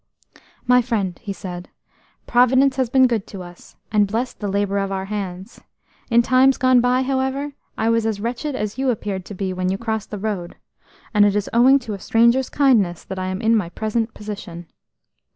"My friend," he said, "Providence has been good to us, and blessed the labour of our hands. In times gone by, however, I was as wretched as you appeared to be when you crossed the road, and it is owing to a stranger's kindness that I am in my present position."